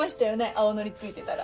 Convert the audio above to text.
青のり付いてたら。